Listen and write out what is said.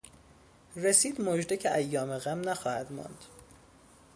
رسید مژده که ایام غم نخواهد ماند